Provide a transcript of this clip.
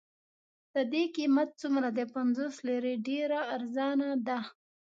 د دې قیمت څومره دی؟ پنځوس لیرې، ډېره ارزانه ده.